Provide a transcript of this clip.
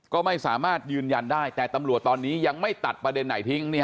ก็ไม่สามารถยืนยันได้แต่ตำรวจตอนนี้ยังไม่ตัดประเด็นไหนทิ้ง